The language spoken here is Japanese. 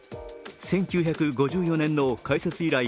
１９５４年の開設以来